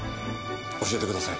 教えてください。